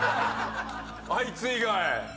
あいつ以外。